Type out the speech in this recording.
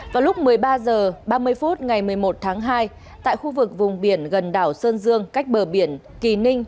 vào lúc một mươi ba h ba mươi phút ngày một mươi một tháng hai tại khu vực vùng biển gần đảo sơn dương cách bờ biển kỳ ninh